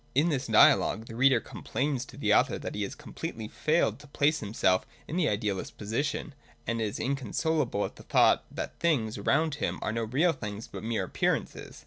In this dialogue the reader complains to the author that he has completely failed to place himself in the idealist's position, and is inconsolable at the thought that things around him are no real things but mere appearances.